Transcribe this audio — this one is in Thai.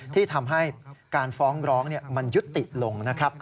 ที่ทำให้การฟ้องร้องมันยุติลงนะครับ